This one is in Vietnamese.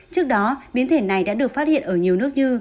trước đó biến thể này đã được phát hiện ở nhiều nước như